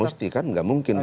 mesti kan enggak mungkin